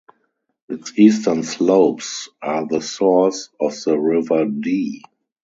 Its eastern slopes are the source of the River Dee.